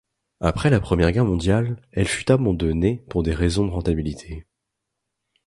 Après la Première Guerre mondiale, elle fut abandonnée pour des raisons de rentabilité.